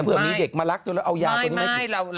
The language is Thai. เพื่อมีเด็กมารักจนแล้วเอายาตัวนี้มากิน